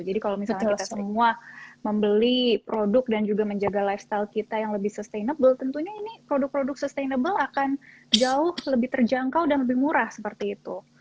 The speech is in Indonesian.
jadi kalau misalnya kita semua membeli produk dan juga menjaga lifestyle kita yang lebih sustainable tentunya ini produk produk sustainable akan jauh lebih terjangkau dan lebih murah seperti itu